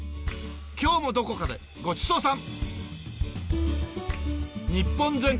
今日もどこかでごちそうさん！